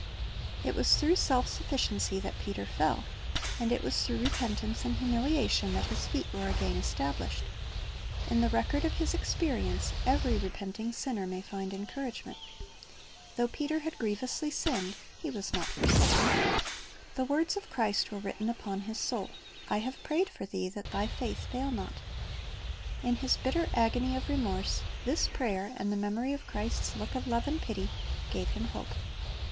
It was through self sufficiency that Peter fell; and it was through repentance and humiliation that his feet were again established. In the record of his experience every repenting sinner may find encouragement. Though Peter ' Dan. 12 : lo 2 j^rnes i : 12 'i Cor. 10 : 12 156 Christ's Object Lessons had grievously sinned, he was not forsaken. The words of Christ were written upon his soul, "I have prayed for thee, that thy faith fail not."^ In his bitter agony of remorse, this prayer, and the memory of Christ's look of love and pity, gave him hope.